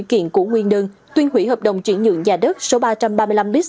kiện của nguyên đơn tuyên hủy hợp đồng chuyển nhượng nhà đất số ba trăm ba mươi năm b